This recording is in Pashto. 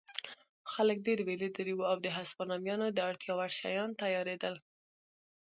خلک ډېر وېرېدلي وو او د هسپانویانو د اړتیا وړ شیان تیارېدل.